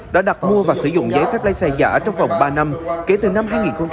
đã đặt mua và sử dụng giấy phép lái xe giả trong vòng ba năm kể từ năm hai nghìn một mươi